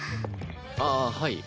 あっはい。